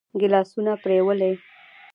ګيلاسونه پرېولي.